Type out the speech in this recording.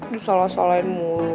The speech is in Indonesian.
gue salah salain mulu